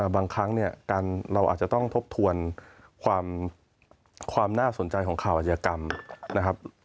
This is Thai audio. บางครั้งเนี่ยเราอาจจะต้องทบทวนความน่าสนใจของข่าวอาชญากรรมนะครับ